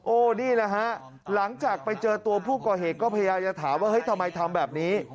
นี่แหละฮะหลังจากไปเจอตัวผู้ก่อเหตุก็พยายามจะถามว่าเฮ้ยทำไมทำแบบนี้